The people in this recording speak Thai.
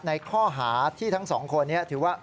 ในข้อหาที่ทั้งสองคนนี้ถือว่า